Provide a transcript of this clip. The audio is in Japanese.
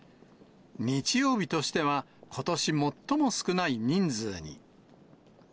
日曜日としてはことし最も少ない人数に。